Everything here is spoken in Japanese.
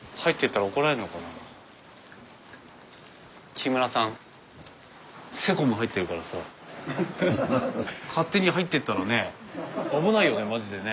木村さんセコム入ってるからさ勝手に入ってったらね危ないよねまじでね。